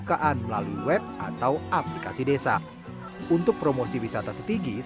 sehingga ekonomi keluarga kami lebih terbantu dengan adanya wisata setigi